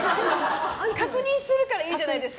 確認するからいいじゃないですか。